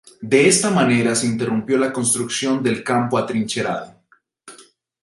De esta manera se interrumpió la construcción del Campo Atrincherado.